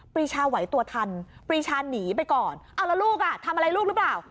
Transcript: รีชาไหวตัวทันปรีชาหนีไปก่อนเอาแล้วลูกอ่ะทำอะไรลูกหรือเปล่า